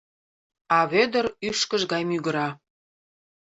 А Вӧдыр ӱшкыж гай мӱгыра.